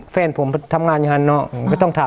เพื่อนผมทำงานอย่างงั้นเนอะ